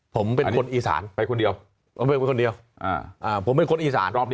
ผมเป็นคนอีสาน